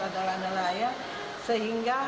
adalah nelayan sehingga